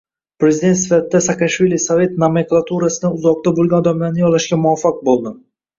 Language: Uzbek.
Prezident sifatida Saakashvili Sovet nomenklaturasidan uzoqda bo'lgan odamlarni yollashga muvaffaq bo'ldi